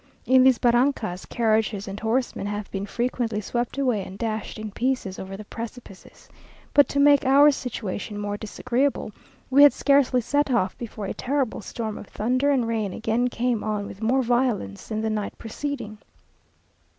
In these barrancas, carriages and horsemen have been frequently swept away and dashed in pieces over the precipices. But to make our situation more disagreeable, we had scarcely set off, before a terrible storm of thunder and rain again came on with more violence than the night preceding.